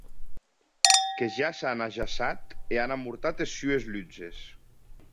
Que ja s’an ajaçat e an amortat es sues lutzes.